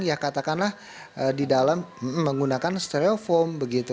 ya katakanlah di dalam menggunakan stereofoam begitu